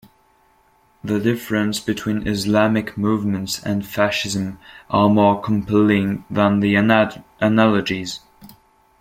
The difference between Islamic movements and fascism are more "compelling" than the analogies.